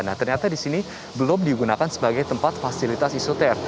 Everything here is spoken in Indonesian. nah ternyata di sini belum digunakan sebagai tempat fasilitas isoter